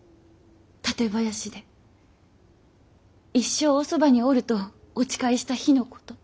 館林で一生おそばにおるとお誓いした日のこと。